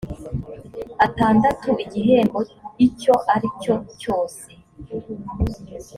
atandatu igihembo icyo ari cyo cyose